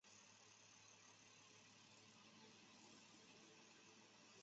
由八十三名司铎名管理五十三个堂区。